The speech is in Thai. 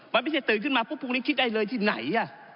มันไม่ใช่ตื่นขึ้นมาปุ๊บพรุ่งนี้คิดได้เลยที่ไหน